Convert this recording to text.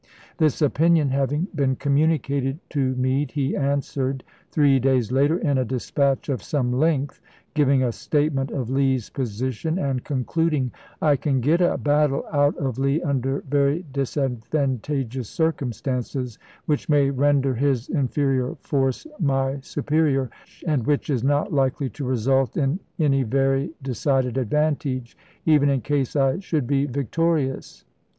This opinion having been communi cated to Meade he answered, three days later, in a dispatch of some length, giving a statement of Lee's position, and concluding :" I can get a battle out of Lee under very disadvantageous circumstances, which may render his inferior force my superior, and which is not likely to result in any very de cided advantage, even in case I should be victorious.